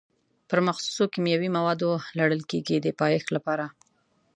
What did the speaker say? پر مخصوصو کیمیاوي موادو لړل کېږي د پایښت لپاره.